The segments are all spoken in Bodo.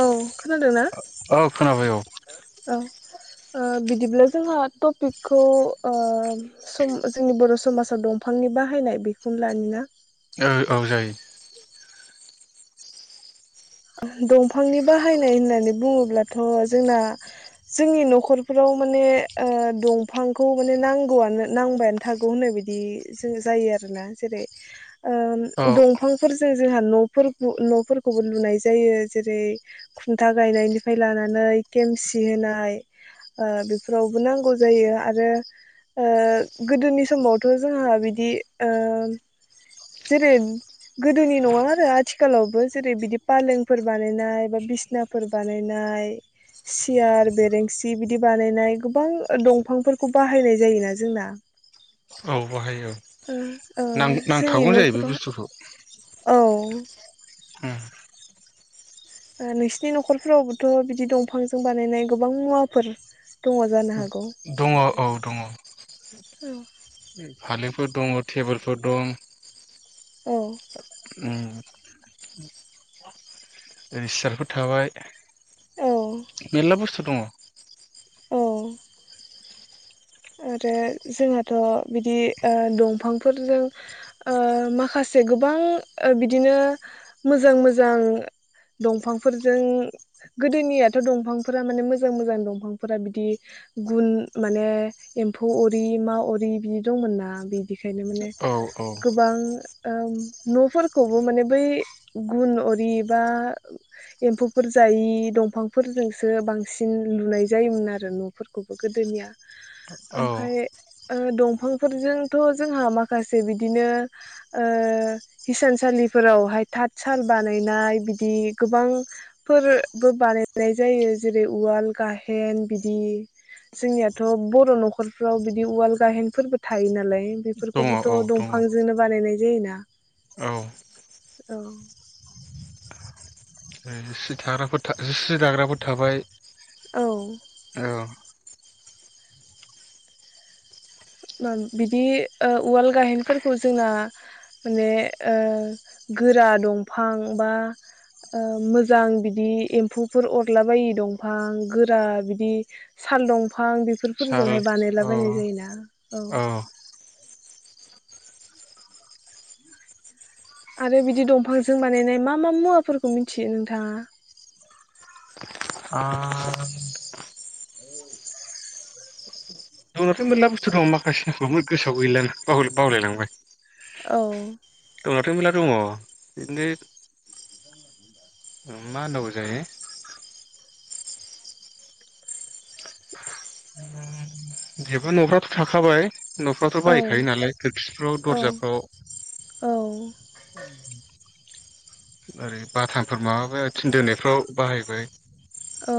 औ खोनादों ना औ खोनाबाय औ औ ओ बिदिब्ला जोंहा टपिकखौ ओ सम जोंनि बर' समाजाव दंफांनि बाहायनाय बेखौनो लानिना? औ औ जायो दंफांनि बाहायनाय होननानै बुङोब्लाथ' जोंना जोंनि नख'रफोराव माने ओ दंफांखौ माने नांगौआनो नांबायानो थागौ होननाय बायदि जों जायो आरोना जेरै ओ औ दंफांफोर जों जोंहा न'फोर गु न'फोरखौबो लुनाय जायो जेरै खुन्था गायनायनिफ्राय लानानै जेरै गोदोनि नङा आरो आथिखालावबो जेरै बिदि पालेंफोर बानायनाय बा बिसनाफोर बानायनाय, सियार, बेरेंसि बिदि बानायनाय गोबां ओ दंफांफोरखौ बाहायनाय जायोना जोंना औ ओम ओ खावगोन जायो बे बुस्थुखौ औ उम ओ नोंसिनि नख'रफोरावबोथ' बिदि दंफांजों बानायनाय गोबां मुवाफोर दङ जानो हागौ। दङ औ दङ औ। फालेंफोर दङ टेबोलफोर दं। औ। ओम। जै सियारफोर थाबाय। औ मेनला बुस्थु। दङ। औ। आरो जोंहाथ' बिदि ओ दंफांफोरजों माखासे गोबां बिदिनो मोजां मोजां दंफांफोरजों गोदोनियाथ' दंफांफोरा माने मोजां मोजां दंफांफोरा बिदि गुन माने एम्फौ अरि मा अरि बिदि दंमोन ना बिदिखायनो माने औ औ गोबां न'फोरखौबो माने बै गुन अरि बा एम्फौफोर जायि दंफांफोरजोंसो बांसिन लुनाय जायोमोन आरो न'फोरखौबो गोदोनिया औ ओमफफ्राय ओदंफांफोरजोंथ' जोंहा माखासे बिदिनो हिसानसालिफोरावहाय थाथ साल बानायनाय बिदि गोबांफोरबो बानायनाय जायो जेरै उवाल गाहेन बिदि जोंनियाथ' बर' न'खर न'खरफ्राव बिदि उवाल गाहेनफोरबो थायो नालाय दङ बेफोरखौबोथ' औ दङ दंफांजोंनो बानायनाय जायोना औ ।औ जि थाग्राफोर सि दाग्राफोर थाबाय। औ। औ बिदि ओ उवाल गाहेनफोरखौ जोंना माने ओ गोरा दंफां बा ओक्षमोजां बिदि एम्फौफोर अरला बायि दंफां गोरा बिदि साल दंफां। बेफोरफोरजोंहाय बानायलाबायनाय जायोना। औ अ। आरो बिदि दंफांजों बानायनाय मा मा मुवाफोरखौ मिथियो नोंथाङा? आं दंनाथ' मोनला बुस्थु दं माखासे गोसोआव गैला बावलायलांबाय औ। दंनायाथ' मेरला दङ बिदिनो मा होन होनांगौ जायो। बेफोर न'फोरावथ' थाखाबाय। न'फ्राथ' औ बायखायो नालाय खोरखिफ्राव औ दर्जाफ्राव। औ ओरै बाथामफोर माबा माय थिन दोनायफ्राव बाहायबाय। औ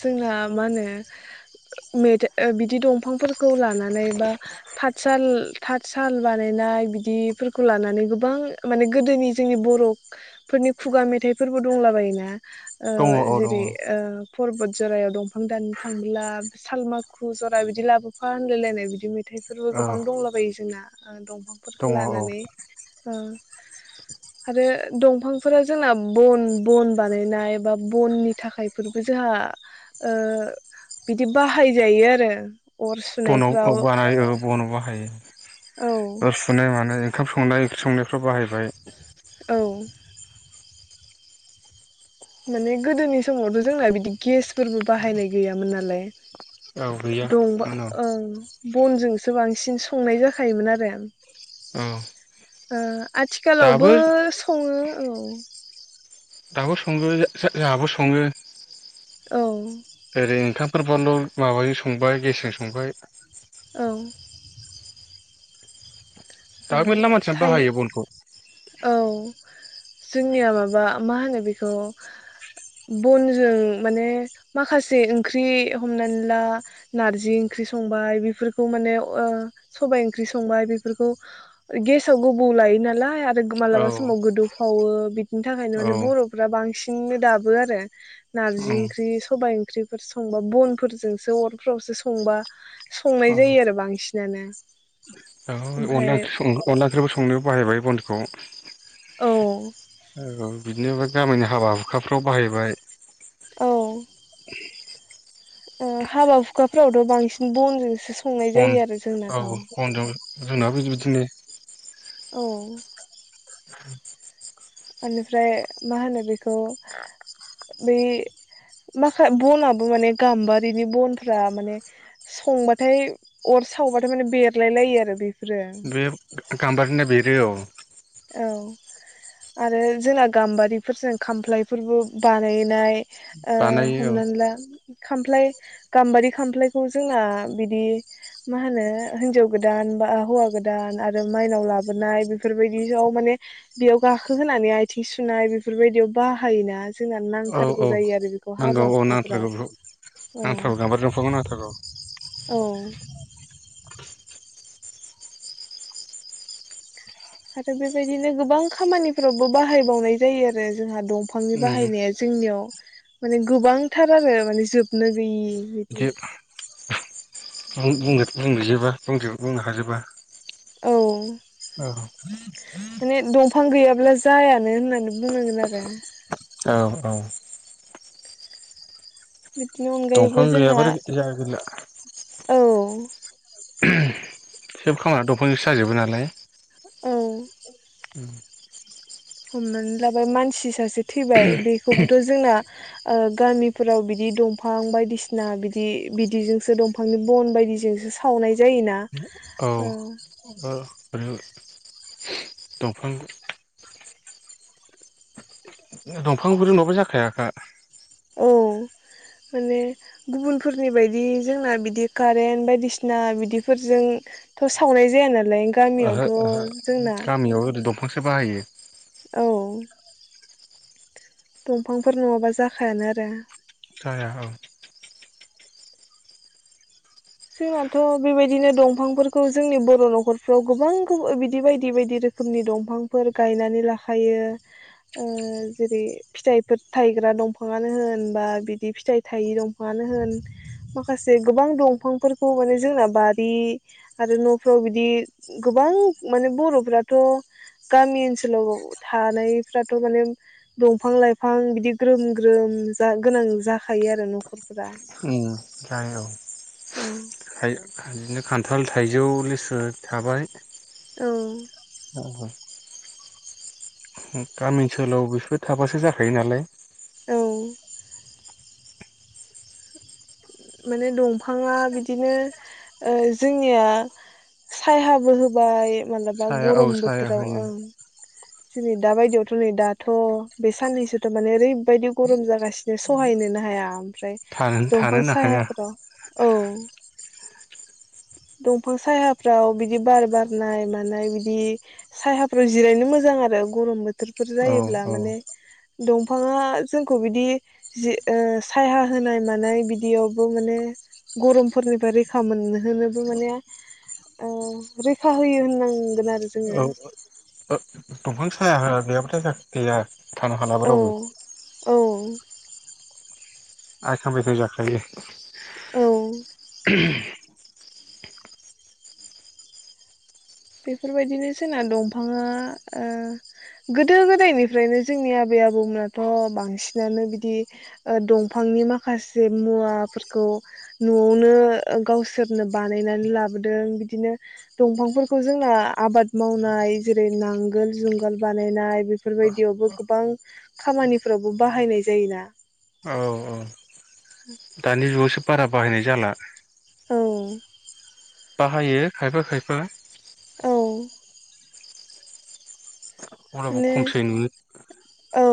जोंना मा होनो मेथाइ बिदि दंफांफोरखौ लानानै बा थाथसाल थाथसाल बानायनाय बिदिफोरखौ लानानै गोबां माने गोदोनि जोंनि बर'फोरनि खुगा मेथाइफोरबो दंला बायोना? दङ औ दङ जेरै परबत जरायाव दंफां दानो थांब्ला सालमाखु जरा बिदि लाबोफा होनलायलायनाय बिदि मेथाइ थाइफोरबो औ गोबां दंलाबायो जोंना। ओ दं बां दङ फोरखौ औ लानानै आरो ओ दंफांफोरा जोंना बन बन बानायनाय बा बननि थाखायफोर जोंहा ओ बिदि बाहायजायो आरो। अर बनाव औ सुनायफ्राव बाहायो बनाव बाहायो। औ अर सुनाय मानाय ओखाम संनाय ओंख्रि संनाय बाहायबाय औ। माने गोदोनि समावथ' जोंना बिदि गेसफोरबो बाहायनाय गैयामोन नालाय। औ गैया औ दंबा ओं बनजोंसो बांसिन संनाय जाखायोमोन आरो औ ओ आथिखालावबो सङो। औ। दाबो सङो जा-जा-जोंहाबो सङो। औ। [inaudible] माबाजों संबाय गेसजों संबाय। औ। दाबो मेनला मानसिनो थायो बाहायो बनखौ। औ, जोंनिया माबा मा होनो बेखौ बनजों माने माखासे ओंख्रि हमनानै ला नार्जि ओंख्रि संबाय बेफोरखौ माने ओ सबाय ओंख्रि संबाय बेफोरखौ गेसाव गोबौ लायो‌ नालाय औ मालाबा समाव गोदौ फावो बिदिनि थाखायनो औ माने बरफ्रा बांसिन दाबो आरो नार्जि ओम ओंख्रि सबाय ओंख्रिफोर संबा बनफोरजोंसो अरफोरावसो संबा संनाय औ जायो आरो बांसिनानो। औ अनला ओमफाय ओख्रि सं अनला ओंख्रिबो संनो बाहायबाय बनखौ। औ। औ बिदिनो गामिनि हाबा हुखाफ्राव बाहायबाय। औ। ओ हाबा हुखाफोरावथ बांसिन बनजोंसो संनाय बन जायो आरो औ जोंनाथ' बनजों जोंनाबो बिदि-बिदिनो। औ। [inaudible] ओनिफ्राय मा होनो बेखौ बै माखा बनाबो माने गाम्बारिनि बनफ्रा माने संबाथाय अर सावबाथाय माने बेरलाय लायो आरो बे। बे गाम्बारिना बेरो औ। औ आरो जोंना गाम्बारिफोरजों खामफ्लायफोरबो बानायनाय ओ बानायो हमनानै ला खामफ्लाय गाम्बारि खामफ्लायखौ जोंना बिदि मा होनो हिनजाव गोदान बा हौवा गोदान आरो माइनाव लाबोनाय बेफोरबाय दियाव माने बेयाव गाखो होनानै आथिं सुनाय बेफोरबायदियाव बाहायोना। जोंना औ नांथारगौ औ जायो आरो बेखौ हाबा नांगौ औ हुखाफोराव नांथारगौ औ नांथारगौ गाम्बारि दंफांखौ नांथारगौ। औ। आरो बेबायदिनो गोबां खामानिफोरावबो बाहायबावनाय जायो आरो जोंहा दंफांनि उम बाहायनाया जोंनियाव माने गोबांथार आरो माने जोबनो गैयि बिदि बुं बुंनो बुंजोबा बुंजो बुंनो हाजोबा औ औ ब्ला जायानो होननानै बुंनांगोन आरो औ औ बिदिनि दंफां अनगायैबो जोंहा गैयाबाथाय जाया गैला औ उह सोब खामानिया दंफांजोंसो जाजोबो नालाय औ [inaudible] हमनानै लाबाय मानसि सासे थैबाय बेखौबोथ' जोंना ओ गामिफोराव बिदि दंफां बायदिसिना बिदि बिदिजोंसो दंफांनि बन बायदिजोंसो सावनाय जायोना औ ओ ओहो दफां दंफांफोरजों नंबा जाखायाखा औ माने गुबुनफोरनि बायदि जोंना बिदि कारेन्ट बायदिसिना बिदिफोरजोंथ' सावनाय जाया नालाय ओहो गामियावथ' ओहो जोंना गामियाव ओरै दंफांसो बाहायो [inaudible] दंफांफोर नङाबा जाखायानो आरो जाया औ जोंनाथ' बेबायदिनो दंफांफोरखौ जोंनि बर' न'खरफ्राव गोबां बिदि बायदि बायदि रोखोमनि दंफांफोर गायनानै लाखायो ओ जेरै फिथाइफोर थायग्रा दंफाङानो होन बा बिदि फिथाइ थायि दंफाङानो होन माखासे गोबां दंफां फोरखौ माने जोंना बारि आरो न'फ्राव बिदि गोबां माने बर'फ्राथ' गामि ओनसोलाव थानायफ्राथ' माने दंफां लाइफां बिदि ग्रोम ग्रोम जा गोनां जाखायो आरो न'खरफ्रा औ थायज बिदिनो खान्थाल थाइजौ लेसु थाबाय औ औ गामि ओनसोलाव बिसोरो थाबासो जाखायो नालाय औ माने दंफाङा बिदिनो ओ जोंनिया सायहाबो होबाय मालाबा साया औ गरम साया बोथोराव होयो ओं दिनै दा बायदियावथ' नै दाथ' बे साननैसोथ' माने ओरैबायदि गरम जागासिनो सहायनोनो हाया ओमफ्राय थानो दंफ [unintelligible] थानोनो हाया सायाफ्रायाव औ दंफां सायाफ्राव बिदि बार बारनाय मानाय बिदि सायाफ्राव जिरायनो मोजां आरो गरम बोथोर बे फोर औ जायोब्ला औ माने दंफाङा जोंखौ बिदि जि ओ सायहाया होनाय मानाय बिदियावबो माने गरमफोरनिफ्राय रैखा मोनहोनो माने ओ रैखा होयो होननांगोन आरो जोङो औ ओ दंफां सा हाया हाया [unintelligible] गैया थानो हालाबा औ रावबो। औ। आयखां बायखां जाखायो। औ। बेफोरबायदिनो जोंना दंफाङा ओ गोदो गोदायनिफ्रायनो जोंनि आबै आबौमोनाथ' बांसिनानो बिदि ओ दंफांनि माखासे मुवाफोरखौ न'आवनो ओ गावसोरनो बानायनानै लाबोदों बिदिनो दंफांफोर खौ जोंना आबाद मावनाय जेरै नांगोल, जुंगाल बानायनाय बेफोरबायदियावबो गोबां खामानिफोरावबो बाहायनाय जायोना। औ औ उम दानि जुगावसो बारा बाहायनाय जाला। औ। बाहायो खायफा खायफा। औ अब्लाबो माने खमसै नुनो औ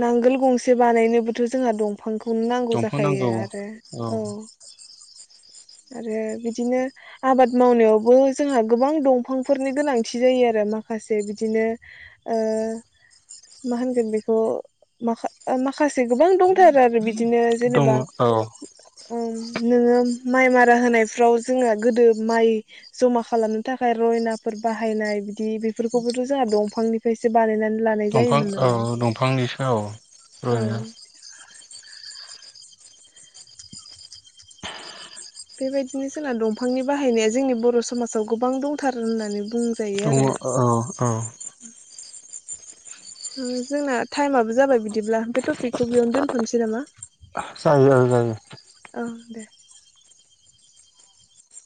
नांगोल गंसे बानायनोबोथ' जोंहा दंफां ख गुननांगौ दंफां नांगौ जाखायो आरो औ। आरो बिदिनो आबाद मावनायावबो जोंहा गोबां दंफांफोरनि गोनांथि जायो आरो। माखासे बिदिनो ओ मा होनगोन बेखौ माखा माखासे गोबां दंथारो आरो बिदि दिनो दङ जेनेबा औ ओम नोङो माइ मारा होनायफ्राव जोङो गोदो माइ ज'मा खालामनो थाखाय रयनाफोर बाहायनाय बिदि बेफोरखौबोथ' जोंहा दंफांनिफ्रायसो बानायनानै लानाय दंफां जायोमोन औ नालाय दंफांनिसो औ रयना बेबायदिनो जोंना दंफांनि बाहायनाया जोंनि बर' समाजाव गोबां दंथारो होननानै बुंजायो दङ आरो ओ औ औ ओ जोंना टाइमाबो जाबाय बिदिब्ला बे टपिकखौ बेयावनो दोनथ'नसै नामा? जायो औ जायो। औ दे।